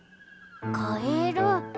カエル？